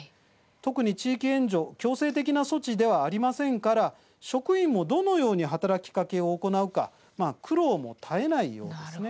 特に地域援助強制的な措置ではありませんから職員もどのように働きかけを行うか、苦労も絶えないようです。